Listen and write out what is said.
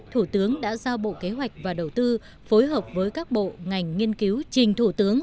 thủ tướng đã giao bộ kế hoạch và đầu tư phối hợp với các bộ ngành nghiên cứu trình thủ tướng